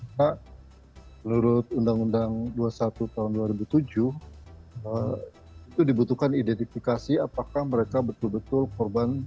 karena menurut undang undang dua puluh satu tahun dua ribu tujuh itu dibutuhkan identifikasi apakah mereka betul betul korban